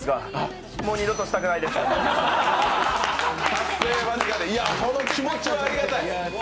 達成間近で、その気持ちはありがたい。